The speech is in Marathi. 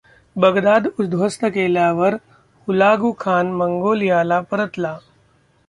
बगदाद उद्ध्वस्त केल्यावर हुलागु खान मंगोलियाला परतला.